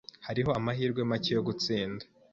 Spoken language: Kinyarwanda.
Hariho amahirwe make yo gutsinda